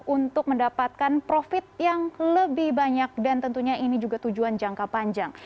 untuk mendapatkan profit yang lebih banyak dan tentunya ini juga tujuan jangka panjang